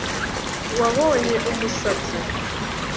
wabonye umusatsi